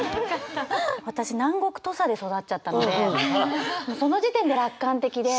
私南国土佐で育っちゃったのでその時点で楽観的で。